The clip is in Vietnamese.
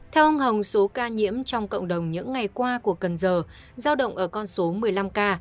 theo ông hồng số ca nhiễm trong cộng đồng những ngày qua của cần giờ giao động ở con số một mươi năm ca